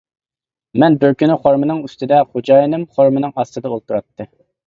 مەن بىر كۈنى خورمىنىڭ ئۈستىدە، خوجايىنىم خورمىنىڭ ئاستىدا ئولتۇراتتى.